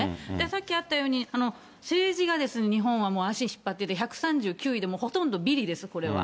さっきあったように、政治が日本はもう足引っ張ってて、１３９位で、これもうほとんどびりです、これは。